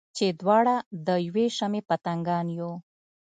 چې دواړه د یوې شمعې پتنګان یو.